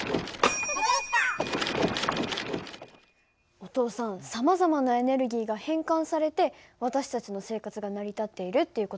お父さんさまざまなエネルギーが変換されて私たちの生活が成り立っているっていう事はよく分かった。